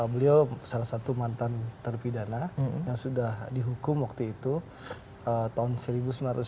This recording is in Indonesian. beliau salah satu mantan terpidana yang sudah dihukum waktu itu tahun seribu sembilan ratus sembilan puluh